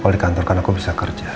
kalau di kantor karena aku bisa kerja